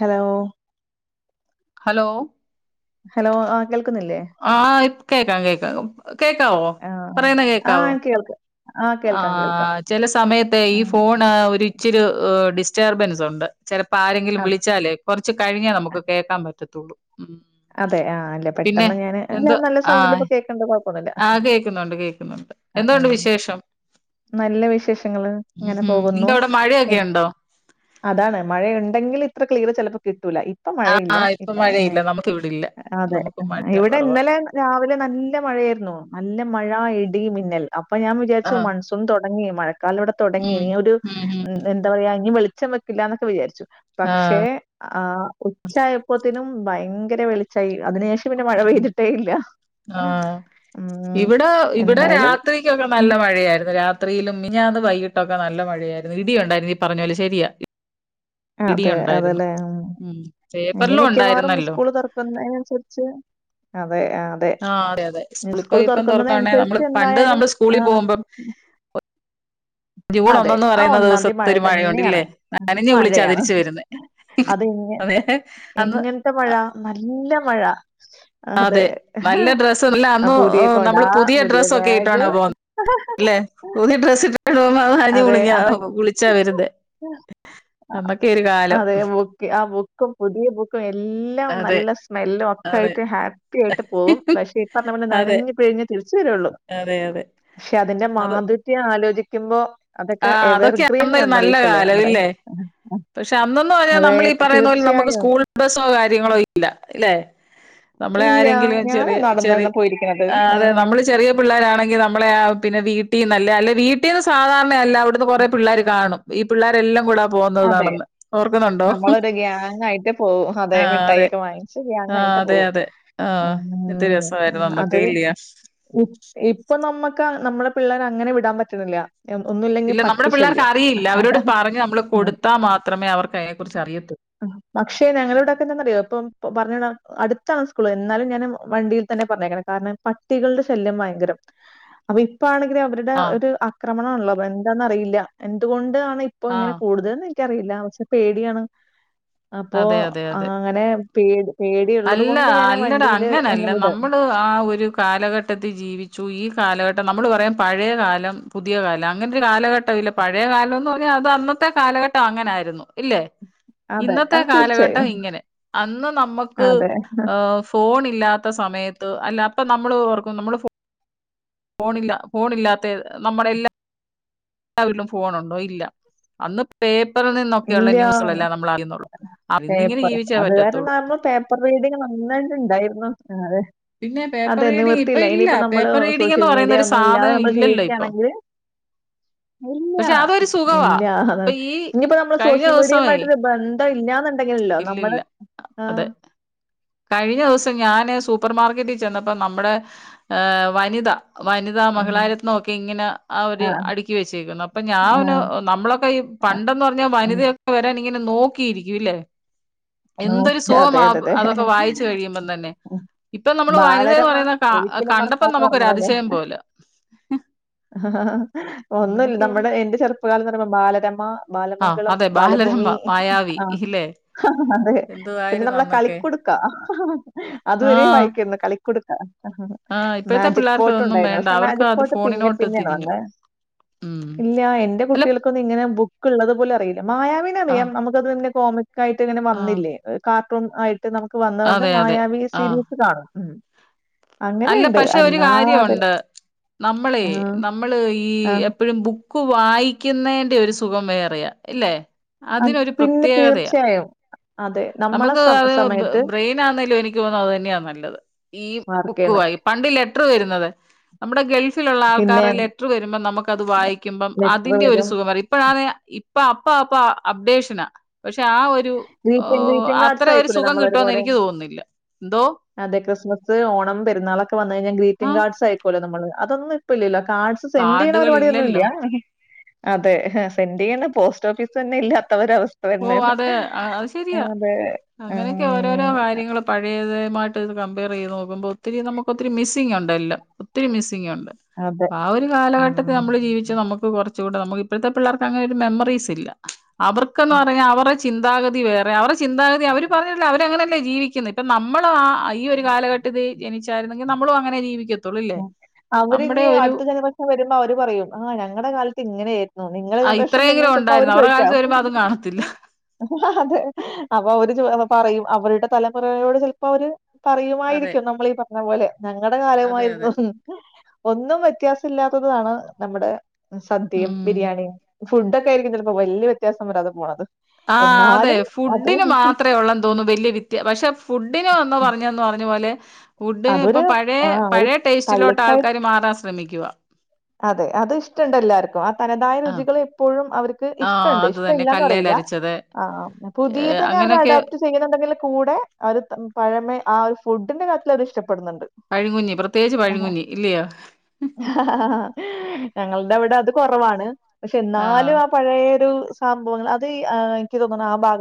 Hello hello hello ആ കേൾക്കുന്നില്ലേ? ആഹ് കേക്കാം കേക്കാം കേക്കാവോ ആഹ്. പറയണ ആ കേക്കാവോ കേൾക്കാം. ആ കേൾക്കാം, കേൾക്കാം. ആഹ് ചെല സമയത്ത് ഈ ആഹ്. ഫോണ് ഒരു ഇച്ചിരി ഡിസ്റ്റർബൻസ് ഉണ്ട് ചെലപ്പോ ആരെങ്കിലും അതെ, വിളിച്ചാലേ കുറച് കഴിഞ്ഞേ നമുക്ക് കേൾക്കാൻ പറ്റത്തുള്ളൂ ഉം അതെ ആ അല്ലെ പിന്നെ പെട്ടെന്ന് ഞാന് എന്തോ ആഹ് കെന്താ കൊഴപ്പംന്നില്ല ആ എന്തുണ്ട് അഹ് വിശേഷം നല്ല വിശേഷങ്ങള് ഇങ്ങനെ ഉം പോകുന്നു. നിങ്ങക്ക് അവിടെ മഴയൊക്കെ ഉണ്ടോ അതാണ് മഴയുണ്ടെങ്കിൽ ഇത്ര ക്ലിയർ ചെലപ്പൊ കിട്ടൂല ഇപ്പൊ ആ മഴയില്ല ഇപ്പൊ ഇപ്പ മഴയില്ല നമുക്ക് ഇവിടെ ഇല്ല അതെ നമുക്ക് മഴ ഇവിടെ കുറവാ ഇന്നലെ രാവിലെ നല്ല മഴയേര്ന്നു നല്ല മഴ ഇടി മിന്നൽ അപ്പം ഞാൻ ആ വിചാര്ച്ചു മൺസൂൺ തൊടങ്ങി മഴക്കാല ഇവിടെതൊ ടങ്ങി ഉം ഇനി ഒരു ഉം ഉം എന്താ പറയാ ഇനി വെളിച്ചം വെക്കില്ലാന്നൊക്കെ വിചാരിച്ചു ആ പക്ഷെ ആഹ് ഉച്ചായപ്പോത്തിനും ഭയങ്കര വെളിച്ചായി അതിനുശേഷ ട്ട് പിന്നെ മഴ ഉം പെയ്തിട്ടേയില്ല ആ ആഹ് എന്തായാലും രാത്രിയൊക്കെ ഉം. നല്ല മഴയാര്ന്നു രാത്രിയിലും മിനിയാന്ന് വൈകീട്ടൊക്കെ നല്ല മഴയായ്ര്ന്നു ഇടിയുണ്ടായിരുന്നു ഈ പറഞ്ഞ പോലെ ശെരിയാ അതെ അതെലേ ഉം ഇനി പേപ്പറിലും മിക്കവാറും ഉണ്ടായിരുന്നല്ലോ. സ്കൂൾ തൊറക്കുന്നേനന്സരിച്ച് അതെ ആ അതെ അതെ അതെ. നി സ്കൂളിപ്പോ സ്കൂൾ ഇപ്പം തുറക്കാണേ നമ്മള് തൊറക്കുന്നതന്സരിച്ച് പണ്ട് എന്തായാലും നമ്മള് സ്കൂളിൽ ആഹ് പോകുമ്പം ജൂൺ അതെ ഒന്നെന്ന് ആ പറയുന്ന ഒന്നാന്തി ദിവസത്തെ മഴ ഒരു മഴയുണ്ടല്ലേ? തന്നെയാണ് രും നനഞ്ഞു കുളിച്ചാ മഴയാണ് തിരിച്ചു വരുന്നേ. അതെന്നെ അതെ അന്ന് എങ്ങനത്തെ മഴ നല്ല മഴ അതെ നല്ല ഡ്രെസ്സ്ടെൽ ആ അന്ന് പുതിയ കൊട, നമ്മള് പുതിയ ഡ്രസ്സൊക്കെ ബാഗ്. ഇട്ടോണ്ടാ പോണ ല്ലെ പുതിയ ഡ്രസ്സിട്ടോണ്ടോ [unintelligible] മഴയ്ത്തീ അതെ. അതൊ നനഞ്ഞു കുളിച്ചാ വര്ന്നേ അന്നക്കേരു കാലം [unintelligible] ക്ക് പുത്യേ ബുക്കും എല്ല ല്ലാം അതെ നല്ല അതെ. സ്മെല്ലൊക്കായ്ട്ട് ഹാപ്പ്യായിട്ട് പോകും. പക്ഷേ ഇപ്പറ്ഞ്ഞപോലെ അതെ നനഞ്ഞ് പിഴിഞ് തിര്ച്ച് വരൊള്ളൂ. അതെ. അതെ പക്ഷെ അതിന്റെ മാധുര്യം ആലോചിക്കുമ്പോ, അതൊക്കെ ആഹ് അതൊക്കെ എവർഗ്രീൻ അന്നൊരു നല്ല മെമ്മറീസ് അല്ലേ കാലം നമ്മുടെ? ഇല്ലേ? പക്ഷെ അന്നൊന്നു പറഞാൽ, അതെ നമ്മളീ പറയുന്ന പോലെ നമക്ക് തീർച്ചയായും. സ്കൂൾ ബസ്സോ കാര്യങ്ങളോ ഇല്ല അല്ലേ. നമ്മളെ ഇല്ല. ആരെങ്കിലും ഞാന് ചെറിയ ചെറി നടന്നാണ് പോയിരിക്കണത്. അതെ ആഹ്. നമ്മള് ചെറിയ, പിള്ളേരാണെങ്കി നമ്മളെയാ പിന്നെ വീട്ടീന്നല്ല, അല്ല വീട്ടീന്ന് സാധാരണയല്ല അവ്ട്ന്ന് കൊറെ പിള്ളേര് കാണും. ഈ പിള്ളേരെല്ലാം കൂട അതെ. നമ്മളൊരു ഗ്യാങ്ങായിട്ടേ പോവു, അതെ മിഠായൊക്കെ വാങ്ങി ച്ച് ആ ഗ്യാങ്ങായ്ട്ട് അതെ പോവും. അതെ ആ എന്ത് ഉം രസമായിരുന്നു അത്, അന്നൊക്കെ ഇല്ല ഇപ് ഇപ്പ നമ്മക്ക് നമ്മളെ പിള്ളേരങ്ങനെ വിടാൻ പറ്റണില്ല. ഏ ഒന്നുല്ല ഇല്ല നമ്മ്ടെ പിള്ളേർക്കറിയില്ല. അവരോട് പറഞ്ഞ് നമ്മള് ഉം. കൊടുത്താ മാത്രമേ അവർക്ക് അയ്നെ കുറിച്ച് അറിയത്തൊള്ളൂ. പക്ഷെ ഞങ്ങളെവ്ടെക്കെന്താന്നറിയോ പ്പം പറഞ്ഞ് വിടാ അട്ത്താണ് സ്കൂള്. എന്നാലും ഞാൻ വണ്ടിയിൽ തന്നെ പറഞ്ഞയ്ക്കണേ, കാരണം പട്ടികളുടെ ശല്യം ഭയങ്കരം. അപ്പ ഇപ്പാണെങ്കിൽ അവര്ടെ ആ ഒര് ആക്രമണാണല്ലോ, അപ്പെന്താന്നറിയില്ല. ആ എന്തുകൊണ്ടാണിപ്പങ്ങനെ കൂടുതല് ഒന്നും എനിക്കറിയില്ല. പക്ഷെ പേടിയാണ് അപ്പോ അതെ അതെ അതെ. അങ്ങനെ പേട് പേടിയുള്ളത് അല്ല കൊണ്ട് ഞാന് അല്ലടാ വണ്ടിയിൽ അങ്ങനല്ല. ഒന്ന് വിടും. നമ്മള് ആ ഒരു കാലഘട്ടത്തി ജീവിച്ചു. ഈ കാലഘട്ടം നമ്മൾ പറയും പഴേകാലം, പുതിയ കാലം അങ്ങനൊര് കാലഘട്ടം ഇല്ല. പഴയ കാലംന്ന് പറഞ്ഞാൽ അത് അന്നത്തെ കാലഘട്ടം അങ്ങനായിരുന്നു ഇല്ലെ. അതെ. ഇന്നെത്തെ അത് തീർച്ചയായും. കാലഘട്ടം ഇങ്ങനെ. അന്ന് നമ്മക്ക് അതെ. ഏഹ് ഫോണില്ലാത്ത സമയത്ത്, അല്ലാ അപ്പ നമ്മൾ ഓർക്കും നമ്മൾ ഫോ ഫോണില്ല ഫോണില്ലാത്തെ നമ്മളെല്ലാ എല്ലാ വീട്ടിലും ഫോണുണ്ടോ ഇല്ല. അന്ന് പേപ്പറിൽ നിന്നൊക്കെ ഉള്ള ഇല്ല. ന്യൂസുകളേ നമ്മളറിയുന്നൊള്ളൂ. അന്നിങ്ങനെ ജീവിച്ചേ പറ്റത്തൊള്ളൂ. അന്നും പേ പ്പർ റീഡിങ് നന്നായിട്ട് ഇണ്ടായിര്ന്നു. ആഹ് അതെ. പിന്നെ പേപ്പർ അതെ റീഡിങ് ഇപ്പൊ നിവർത്തിയില്ല. ഇല്ല ഇനിയിപ്പം നമ്മള് പേപ്പർ റീഡിങ് സോഷ്യൽ എന്ന് പറയുന്ന മീഡിയ ഒരു ഒന്നും ഇല്ലാതെ സാധനം നമ്മൾ ഇല്ലല്ലോ ഇപ്പം ജീവിക്കാണെങ്കിൽ, ഇല്ല്യാ പക്ഷെ അതൊരു സുഖവാ ഇല്ലാ അത് ഇപ്പൊ ഈ ഇഞിപ്പോ നമ്മള് കഴിഞ്ഞ സോഷ്യൽ ദിവസമേ മീഡിയുമായിട്ടൊര് ബന്ധം ഇല്ലാന്നിണ്ടെങ്കിലില്ലോ നമ്മള് ഇല്ലില്ല അതെ ആഹ്, കഴിഞ്ഞ ദിവസം ഞാന് സൂപ്പർ മാർക്കറ്റി ചെന്നപ്പോ നമ്മടെ ഏഹ് വനിത, വനിതാ, ഉം. മഹിളാരത്നം ഒക്കെ ഇങ്ങനെ ആ ഒര് ആഹ്. അടിക്കി വെച്ചേക്കുന്നു. അപ്പൊ ഞാന് ആഹ്. നമ്മളൊക്കെ ഈ പണ്ടെന്ന്‌ പറഞ്ഞാൽ ഉം. വനിതയൊക്കെ വരാനിങ്ങനെ നോക്കിയിരിക്കൂല്ലേ? നോ എന്തൊരു അതെ സുഖമാ അതെ അതെ. അതൊക്കെ വായിച്ചു കഴിയുമ്പം തന്നെ. ഇപ്പൊ നമ്മള് വനിത എന്ന് ബാലരമ പറയുന്ന കാ ഒരിക്കലും കണ്ടപ്പോ മറക്കാത്ത നമുക്ക് ഒരു ഓർമ്മകളാ അതിശയം പോല. [inaudible] ഒന്നും ഇല്ല അങ്ങനെയൊക്കെയുള്ള നമ്മുടെ എന്റെ ചെറുപ്പകാലം എന്ന് പറയുമ്പ, ബാലരമ, ആഹ് ബാലമംഗളം, അതെ ബാലഭൂമി ബാലരമ മായാവി ആ ഇല്ലേ. അതെ. പിന്നെ എന്തുവായിരുന്നു നമ്മടെ അന്നൊക്കെ കളിക്കുടുക്കാ അതുവരെ ആഹ് വായിക്കാരുന്നു. കളിക്കുടു ആഹ് ഇപ്പോഴത്തെ മാജിക് പിള്ളേർക്ക് പോട്ട് അതൊന്നും ഉണ്ടായിരുന്നു. വേണ്ട പക്ഷെ അവർക്ക് മാജിക് അത് പോട്ട് പിന്നെ ഫോണിനോട്ട് പിന്നെ ആണ് തിരിഞ്ഞു വന്നെ. ഉം ഇല്ല. എന്റെ അല്ല കുട്ടികൾക്കൊന്നും ഇങ്ങനെ ബുക്ക ഉള്ളത് പോലും അറിയില്ല. മായാവിനെ അറിയാം, ആഹ് നമുക്കത് നിന്നെ കോമിക്ക ആയി ട്ട് ഇങ്ങനെ ആഹ് വന്നില്ലേ. കാർട്ടൂൺ ആയിട്ട് നമുക്ക് വന്നോണ്ട് അതെ അതെ മായാവി ആഹ് സീരീസ് കാണും. ഉം. അല്ല അങ്ങനെയുണ്ട്. പക്ഷെ ഒര് അല്ലാതെ കാര്യൊണ്ട്. നമ്മളേ ആ. നമ്മള് ഈ ആ. എപ്പോഴും ബു ക്ക് വായിക്കുന്നേന്റെ ഒരു സുഖം വേറെയാ, ഇല്ലേ. അ അതിനൊരു പിന്നെ പ്രത്യേകതയാ. തീർച്ചയായും. അതെ. നമ്മളെ നമുക്ക് സ അത് സമയത്ത് ബ്രെയിൻ ആണേലും എനി ക്ക് തോനുന്നു അത് തന്നെയാ നല്ലത്. ഈ ബുക്ക് മാർക്കെയ്യുന്നെ. വായി, പണ്ട് ലെറ്റർ വരുന്നത്. നമ്മുടെ ഗൾഫി ലുള്ള പിന്നെ ആൾക്കാരുടെ ലെറ്റർ വരുമ്പോം, നമുക്കത് വായിക്കുമ്പം ലെറ്റർ അതിന്റെ ഒരു വരും. സുഖം അറി ഇപ്പോഴ ഇപ്പോഴാണേ, അപ്പ അപ്പ അപ്ഡേഷനാ. പക്ഷെ ആ ഒ രു ഗ്രീറ്റിംഗ് ഏഹ് ഗ്രീറ്റിംഗ് കാർഡ്സ് അത്രെ ഒരു അയക്കൂലേ സുഖം കിട്ടോന്ന് നമ്മളൊരുപോലെ? എനിക്ക് തോന്നുന്നില്ല. എന്തോ അതെ ക്രിസ്മസ് ഓണം പെരുന്നാളൊക്കെ വന്നു കഴിഞ്ഞാ ആ ഗ്രീറ്റിംഗ് കാർഡ്സ് അയക്കോല്ലോ നമ്മള് അതൊന്നും ഇപ്പ ഇല്ലല്ലോ കാഡ്സ് സെൻ്റെയ്യ്ണ കാർഡുകൾ പരിപാടിയൊന്നും ഇല്ലല്ലോ ഇല്ല്യാ. അതെ സെന്റയ്യ്ണ് പോസ്റ്റ് ഓഫീസ് തന്നെ ഇല്ലാത്ത ഒരവസ്ഥ തന്നേണ് ത് അത് ശരിയാ അങ്ങനെയൊക്കെ ഓരോരോ ഉം കാര്യങ്ങള് പഴയതുമായിട്ട് ഇത് കമ്പയർ ചെയ്ത് നോക്കുമ്പോ ഒത്തിരി നമുക്ക് ഒത്തിരി മിസ്സിങ് ഉണ്ട് എല്ലം ത്തിരി മിസ്സിംഗുണ്ട്. അതെ. അപ്പാ ഒരു കാലഘട്ടത്തെ ഉം. നമ്മൾ ജീവിച്ച് നമുക്ക് കൊറ ച്ചൂടെ നമുക്ക് ഇപ്പോഴത്തെ പിള്ളേർക്ക് അങ്ങനെ ഒരു മെമ്മറീസ് ഇല്ല അവർക്ക്ന്ന് പറഞ്ഞാ അവറ ചിന്താഗതി വേറെ അവറ ചിന്താഗതി അവർ പറഞ്ഞിട്ടില്ല അവരങ്ങനെയല്ലേ ജീവിക്കുന്നെ. ഇപ്പം നമ്മള് ആ ഈ ഒരു കാലഘ ട്ടത്തി ജനിച്ചായിരുന്നങ്കി നമ്മളും അങ്ങനെ ജീവിക്ക ഉ [unintelligible] അവര്നി അടുത്ത ജനറേഷൻ വരുമ്പോ അവര് പറയും ആഹ് ഞങ്ങടെ കാലത്ത് ഇങ്ങനെയായിരുന്നു നിങ്ങളെ ജനറേഷൻ എങ്ങനെ ചോയ് ണ്ടായിരുന്നു അവരുടെ കാലത്ത് വരുമ്പോൾ അതും കാണത്തില്ല അതെ അപ്പൊ അവര് ചോ പറയും അവരുടെ തലമുറയോട് ചിലപ്പം അവര് അതെ. പറയുമായിരിക്കും നമ്മളീ പറഞ്ഞ പോലെ ഞങ്ങടെ അതെ, കാലമായിരു അതെ. ഉം ഒന്നും വ്യത്യാസം ഇല്ലാത്തതു ആണ് നമ്മുടെ സദ്യയും ഉം. ബിരിയാണിയും ഫുഡൊക്കെ ആയിരിക്കും ചെലപ്പം വല്യ വ്യത്യാസം വരാതെ പോണത്. ആഹ് അതെ എന്നാലും അത് ഫുഡിന് മാത്രേ ഉള്ള ന്ന് തോന്നുന്നു വലിയ വിത്യാ പക്ഷെ ഫുഡിന് വന്ന് പറഞ്ഞെന്ന് പറഞ്ഞ പോലെ ഫുഡിന് അതൊരു ഇപ്പം പഴയ ആ ഒരു പഴയ ടേസ്റ്റിലോട്ട് തള്ളിക്കയ ആൾക്കാര് മാറാൻ ശ്രമിക്കുവാ അതെ അത് ഇഷ്ടണ്ട് എല്ലാർക്കും തനതായ ആ രുചികൾ എപ്പോഴും അവർക്ക് ആഹ് ഇഷ്ടണ്ട് അത് തന്നെ ഇഷ്ടല്ലാന്ന് പറയില്ല. കല്ലേലരച്ചത് ആഹ് പുതിയതന്നെ അവര് അങ്ങനെയൊക്കെ അഡാപ്റ്റ് ചെയ്യ്ണുണ്ടെങ്കിൽ കൂടെ അവര് പഴമേ ആ ഒരു ഫുഡിന്റെ കാര്യത്തിൽ അവര് ഇഷ്ടപ്പെടുന്നുണ്ട്. പഴിങ്ങുഞ്ഞി പ്രത്യേകിച്ച് പഴിങ്ങുഞ്ഞി ഇല്ലയോ ഞങ്ങൾടെ അവടെ അത് കുറവാണ് പക്ഷെ ആഹ് എന്നാലും ആ പഴയൊരു സാംഭവങ്ങൾ അത് എനിക്ക് തോന്നുണു ആ ഭാഗ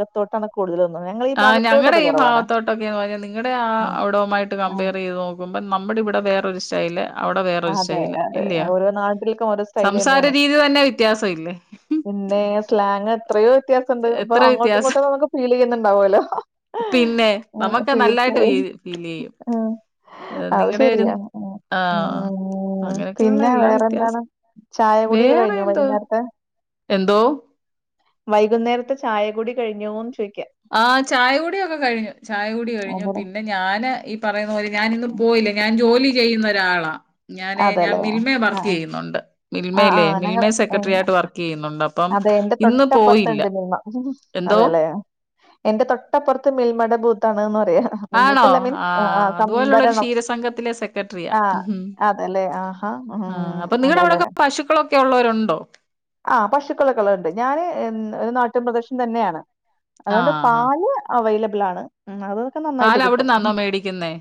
ആഹ് ഞങ്ങടെ ഈ കുറവാണ്. ഭാഗത്തോട്ടൊക്കെന്ന് പറഞ്ഞാ നിങ്ങടെ ആ അവിടവുമായിട്ട് ആ, കമ്പയർ ചെയ്ത് നോ ക്കുമ്പം നമ്മടെ ഇവിടെ വേറൊരു സ്റ്റൈല് അവിടെ ആ, വേറൊരു അതെ. സ്റ്റൈല് ഇല്ലയോ? ഓരോ നാട്ടിൽക്കും ഓരോ സ്റ്റൈൽ സംസാര രീതി തന്നെ വ്യത്യാസവില്ലേ പിന്നേ. സ്ലാങ് എത്രയോ വ്യത്യാസംണ്ട്. പ്പൊ എത്ര അങ്ങോട്ടും വ്യത്യാസം ഇങ്ങോട്ടും നമുക്ക് ഫീൽ ചെയ്യുന്നുണ്ടാവുമല്ലോ പിന്നെ നമുക്ക് നല്ലായിട്ട് തീർച്ചയായും ഫീൽ ചെയ്യും ഉം അത് നിങ്ങടെ ഒരു ശരിയാണ്. ഉം ആഹ് ഊം. അങ്ങനെയൊക്കെയുള്ള പിന്നെ എല്ലാ വേറെ, എന്താണ് വ്യത്യാസം ചായ കുടിയൊക്കെ വേറെ കഴിഞ്ഞൊ എന്തോ വൈകുന്നേരത്തെ? എന്തോ വൈകുന്നേരത്തെ ചായ കുടി കഴിഞ്ഞോന്ന് ചോയിക്ക. ആഹ് ചായ കുടിയൊക്കെ കഴിഞ്ഞു. ചായ കുടി കഴിഞ്ഞു. അതെ. പിന്നെ ഞാന് ഈ പറയുന്ന പോല ഞാനിന്ന് പോയില്ല. ഞാൻ ജോലി ചെയ്യുന്ന ഒരാളാ ഞാന് ഞാൻ അതെല്ലേ. മിൽമേ ആഹ് വർക്ക് ആഹ്. ചെയ്യുന്നുണ്ട് ആഹ് മിൽമേല്ലേ, ആഹ് ഞങ്ങള് മിൽമേ എൻ സെക്രട്ടറി ആയിട്ട് വർക്ക് ചെയ്യുന്നുണ്ട്, അപ്പം അതെ ഇന്ന് പോയില്ല. എന്തോ അതെല്ലെ. എന്റെ തൊട്ടപ്പുറത്ത് മിൽമേട ബൂത്താണ്ന്ന് പറയാ. ആണോ ബൂത്തല്ല മീൻസ് ആഹ് അതുപോലുള്ള ഒരു സംഭരണം ക്ഷീരസംഘത്തിലെ സെക്രട്ടറിയാ. ആഹ് ഉഹും അതെല്ലേ ആഹാ ഉം ആഹ് അപ്പൊ നിങ്ങടെ അതെല്ലേ. അവിടൊക്കെ പശുക്കളൊക്കെ ഉള്ളവരുണ്ടോ? ആഹ് പശുക്കളൊക്കള്ളണ്ട് ഞാന് ഒരു നാട്ടുംപ്രദേശം തന്നെയാണ്. അതുകൊണ്ട് ആഹ് ആഹ് പാൽ അവൈലബിൾ ആണ് ഉം അതൊക്കെ നന്നായിട്ട് പാല് കിട്ടും അവിടുന്നാന്നോ മേടിക്കുന്നേ?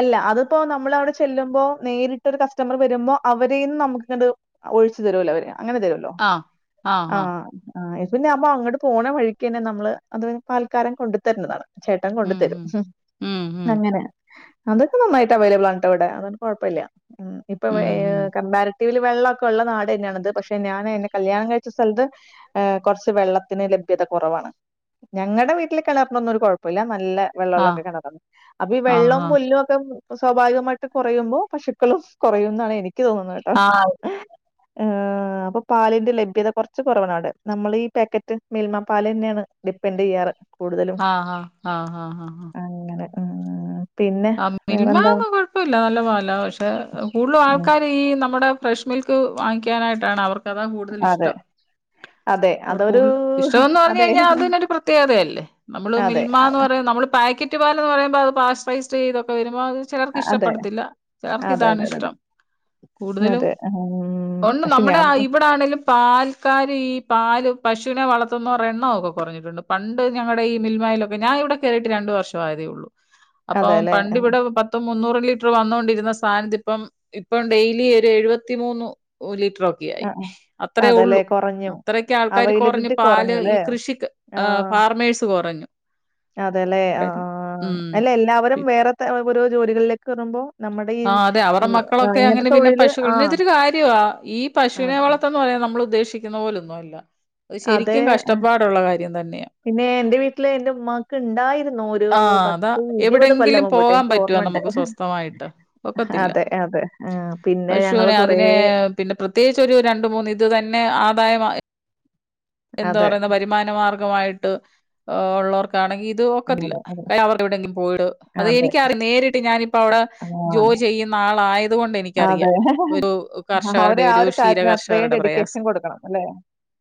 അല്ല അതിപ്പോ നമ്മൾ അവിടെ ചെല്ലുമ്പോ നേരിട്ടൊരു കസ്റ്റമർ വരുമ്പോ അവരേന്നും നമുക്കിങ്ങട് ഒഴിച്ചു തരുവല്ലോ അവര് അങ്ങനെ തരുവല്ലോ ആഹ് ആഹ് ആഹ് ഇത് പിന്നെ അപ്പൊ അങ്ങട്ട് പോണ വഴിക്കന്നെ നമ്മള് അത് പാൽക്കാരൻ കൊണ്ട് തരുന്നതാണ്. ചേട്ടൻ കൊണ്ടു ഉം തരും ഉം ഉം ഉം അങ്ങനെ. അതൊക്കെ നന്നായിട്ട് അവൈലബിൾ ആണ്‌ട്ടോ ഇവടെ അതോണ്ട് കൊഴപ്പല്ല്യ. ഉം ഇപ്പൊ വ ഉം ഉം കമ്പാരറ്റീവ് ലി വെള്ളൊക്കെ ഉള്ള നാട് തന്നെയാണ്ത് പക്ഷെ ഞാൻ ണ് ഇന്നെ കല്യാണം കഴിച്ച സ്ഥലത്ത് ഏഹ് കൊർച്ച് വെള്ളത്തിന് ലഭ്യത കുറവാണ്. ഞങ്ങടെ വീട്ടില് കിണറിനൊന്നൊരു കുഴപ്പല്ല. നല്ല വെള്ള ള്ള ആഹ് കിണറാണ്. അപ്പൊ ഈ ആഹ് വെള്ളവും ആഹ് പുല്ലും ഒക്കെ പ്പോ സ്വാഭാവികമായിട്ട് കുറയുമ്പോ പശുക്കളും കുറയന്നാണ് എനിക്ക് തോന്നുന്നത് കേട്ടോ ആഹ് ആ അപ്പൊ പാലിന്റെ ലഭ്യത കുറച്ച് കുറവാണ് അവിടെ നമ്മൾ ഈ പാക്കറ്റ് മിൽമ പാൽ തന്നെയാണ് ഡിപ്പെൻഡയ്യാറ് ആഹ് ആഹ ആഹ് ഹഹ് ആ അങ്ങനെ ഉം പിന്നെ ആ മിൽമ വേറെന്താ ഒന്നും കൊഴപ്പമില്ല നല്ല പാല പക്ഷെ കൂടുതലും ഉം ആൾക്കാർ ഈ നമ്മുടെ ഫ്രഷ് മിൽക്ക് വാങ്ങിക്കാനായിട്ടാണ് അവർക്ക് അതാ കൂടുതൽ അതെ ഇഷ്ടം അതെ അവർ അതൊരു കുടു ഇഷ്ടംന്ന് പറഞ്ഞു അതെ കഴിഞ്ഞാൽ അതിനൊരു പ്രത്യേകതയല്ലേ നമ്മള് അതെ മിൽമ എന്ന് പറയ നമ്മള് പാക്കറ്റ് പാലന്ന് പറയ്പോ അത് പാർട്രൈസ്ഡ് ചെയ്തൊക്കെ വരുമ്പോ ചിലർക്ക് അതെ അതെ ഇഷ്ടപ്പെടുത്തില്ല ചിലർക്ക് അതെ ഇതാണ് അതെ അതെ ഇഷ്ടം കൂടുതലും അതെ ഉം ഒണ്ട് പക്ഷെ നമ്മുടെ ഞാൻ ഇവിടെ ആണേിലും പാൽക്കാർ ഈ പാ പശുവിനെ വളർത്തുന്നവരെ എണ്ണമൊക്കെ കുറഞ്ഞിട്ടുണ്ട് പണ്ട് ഞങ്ങളുടെ ഈ മിൽമലൊ ഞാൻ ഇവിടെ കയറിയിട്ട് രണ്ടു വർഷ ആയതേ ഉള്ളൂ അപ്പം അതെല്ലേ പണ്ട് ഇവിടെ പ മൊത്തം മുന്നൂറ് ലിറ്റർ വന്നൊണ്ടിരുന്ന സാധനത്തി ഇപ്പം ഇപ്പം ഡെയിലി ഒരു എഴുപത്തിമൂന്ന് ഓലിട്ടറോ ആഹ് ആഹ്. അത്രയേ ഉള്ളൂ അത്രയൊക്കെ ആൾക്കാർ കുറഞ്ഞഞ് അവൈലബിലിറ്റി പാല് ഈ കുറഞ്ഞുല്ലേ കൃഷിക്ക് ഫാർമേഴ്സ് കുറഞ്ഞു അതെല്ലെ ആ ആ കാര്യം അല്ല എല്ലാവരും ഉം വേറെ ഓരോ ജോലികളിലേക്ക് വറുമ്പോ നമ്മുടെ ഈ ആഹ് അതെ അവരുടെ ഇങ്ങനത്തെ തൊഴില് ആ യ ഈ പശുവിനെ വളത്തന്ന് പറയാൻ നമ്മൾ ഉദ്ദേശിക്കുന്ന പോലൊന്നുമ അല്ല അ അതെ ശരിക്കും കഷ്ടപ്പാടുള്ള കാര്യം തന്നെയാ പിന്നെ എന്റെ വീട്ടില് എന്റെ ഉമ്മാക്ക് ഉണ്ടായിരുന്നു ഒരു ആഹ് അതാ പത്ത് ഇരുപത് കൊല്ലം എവിടെയെങ്കിലും മുമ്പോട്ട് പോകാൻ എനിക്ക് പറ്റുവോ ഓർമ്മുണ്ട് നമുക്ക് സ്വസ്ഥമായിട്ട് ഒക്കത്തില്ല അതെ അതെ ആ പിന്നെ ഞങ്ങള് പശുവിനെ കൊറേ അതിനെ പിന്നെ പ്രത്യേകിച് ഒരു രണ്ട് മൂന്ന് ഇത് തന്നെ ആദായ വ എന്താ അതെ, പറയുന്ന വരുമാന മാർഗമായിട്ട് ഉള്ളവർക്കാണെങ്കിൽ ഇത് ഒക്കത്തില്ല. അതെ, അതെ, ക അവടെ എവിടെങ്കിലും പോയിട അത് അതെ. എനിക്കറിയാം നേരിട്ട് ഞാനിപ്പോ അവിടെ ആ, ജോ ചെയ്യുന്ന ആളായതുകൊണ്ട് എനി അതെ അവര് ആ ഒരു ക്ഷീര കാര്യത്തിന് അത്രയും കർഷകരുടെ ഡെഡിക്കേഷൻ പ്രയാസം കൊടുക്കണം അല്ലെ?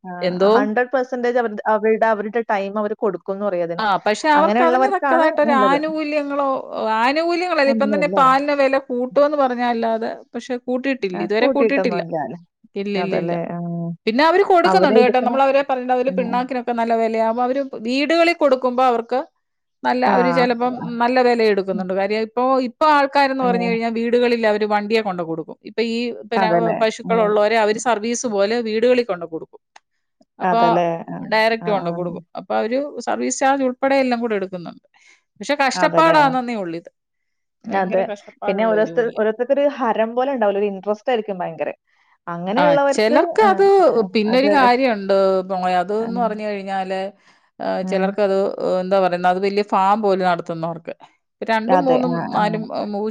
ആ എന്തോ ഹണ്ട്രഡ് പെർസെന്റേജ് അവ അവരുടെ അവരുടെ ടൈം അവര് കൊടു ആ പക്ഷെ അവർക്ക് അതിന് തക്കതായിട്ടൊ ഒരു നല്ലത്. ആനുകൂല്യങ്ങളോ ആനുകൂല്യങ്ങളല്ലേ ഇപ്പം തന്നെ ഒന്നുമില്ല. പാലിന് വില കൂട് ട്ടോന്ന് പറഞ്ഞല്ലാതെ പക്ഷെ കൂട്ടിയിട്ടില്ല ആ ഇതുവരെ കൂട്ടിയിട്ടില്ല കൂട്ടിയിട്ടൊന്നുമില്ല അല്ലേ? ഇല്ല ഇല്ല ഇല്ല അതല്ലേ. ആ. പിന്നെ അവര് കൊടുക്കുന്നുണ്ട് കേട്ടോ നമ്മൾ അവരെ. പറയ അതില് ഉം. പിണ്ണാക്കിനൊക്കെ നല്ല വിലയാണ് അപ്പൊ അവര് വീടുകളിൽ കൊടുക്കുമ്പോ അവർക്ക് നല്ല ആ. അവര് ചിലപ്പോം നല്ല വില എടുക്കുന്നുണ്ട് കാര്യ ഇപ്പൊ ഇപ്പൊ ആൾക്കാരന്ന് ആ. പറഞ്ഞു കഴിഞ്ഞാൽ വീടുകളിൽ അവര് വണ്ടിയെ കൊണ്ട കൊടുക്കും ഇപ്പൊ ഈ പിന്നെ അതല്ലേ. പശുക്കള ഉം. ഉള്ളവരെ അവര് സർവീസ് പോലെ വീടുകളിൽ കൊണ്ട് കൊടുക്കും അപ്പൊ അതല്ലേ. ആ. ഡയറക്ട് ആ. കൊണ്ടോ കൊടുക്കും അപ്പൊ അവര് സർവീസ് ചാർജ് ഉൾപ്പെടെയ എല്ലാം കൂടെ എടുക്കുന്നുണ്ട് പക്ഷെ അതല്ലേ. കഷ്ടപ്പാടാന്ന നീ ഉള്ളിത് അതെ പിന്നെ ഓോത്തർ ഓരോരുത്തർക്കൊരു ഹരം പോലെ ഉണ്ടാവലോ ഒരു ഇൻട്രസ്റ്റ് ആായിയിരിക്കും ഭയങ്കര ആഹ് അങ്ങനെയുള്ളവർക്ക് ചിലർക്ക് ആഹ് അത് പിന്നൊരു അതെ. കാര്യണ്ട് പോയെ അതിന്ന് ആഹ് പറഞ്ഞു കഴിഞ്ഞാൽ ആഹ് ചെലർക്ക് അത് എന്താ പറയുന്ന അത് വല ഫാം പോലും നടത്തുന്നവർക്ക് രണ്ടും അതെ. മൂന്നും ആഹ് ആഹ്. നാലും മൂ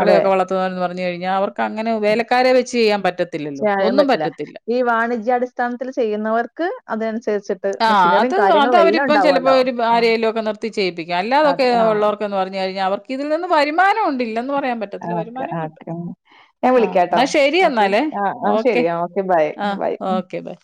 അതെ. വളർത്തുന്നവരന്ന് പറഞ്ഞു കഴിഞ്ഞാൽ അവർ അങ്ങനെ വേലക്കാരെ വെച്ച് ചെയ്യാൻ പറ്റത്തില്ലല്ലോ ചെയ്യാൻ ഒന്നും പറ്റില്ല. പറ്റത്തില്ല ഈ വാണിജ്യാടിസ്ഥാനത്തിൽ ചെയ്യുന്നവർക്ക് അതനുസരിച്ച് ആ അത് അത് അവരിപ്പം ചിലപ്പോ ഒരു ആഹ് ആരലും ഒക്കെ നിർത്തി ചെയ്യിപ്പിക്കാം അല്ലാതൊക്കെ അതെ. ആഹ് ഉള്ളവർ പറഞ്ഞുഴിയാൽ അവർക്ക് ഇതിൽ നിന്ന് വരുമാനം ഉണ്ടില്ല എന്ന് പറഞ്ഞു പറയാൻ പറ്റത്തില്ല ഓക്കെ വരുമാനം കിട്ടും ഓക്കെ. ഞാൻ ആഹ് വിളിക്കാട്ടോ. എന്നാ ഓക്കെ. ശരിയന്നാലേ ആഹ് ആഹ് ഓക്കെ ശരി. ആ ബൈ ആഹ് ബൈ. Okay by